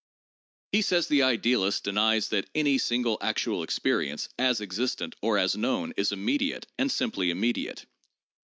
He says the idealist denies that 'any single actual experience, as existent or as known, is immediate, and simply immediate' (p.